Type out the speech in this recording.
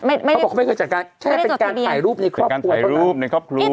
เขาบอกว่าเขาไม่เคยจัดงานใช่เป็นการถ่ายรูปในครอบครัว